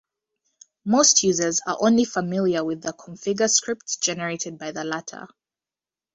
Most users are only familiar with the configure scripts generated by the latter.